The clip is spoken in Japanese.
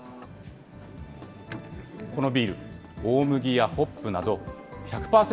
このビール、大麦やホップなど、１００％